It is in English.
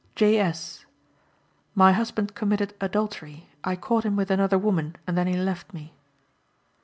J. S.: "My husband committed adultery. I caught him with another woman, and then he left me."